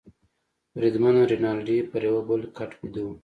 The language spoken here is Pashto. بریدمن رینالډي پر یوه بل کټ بیده وو.